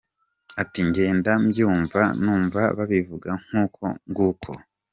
Ati “Ngenda mbyumva, numva babivuga nk’uko nguko.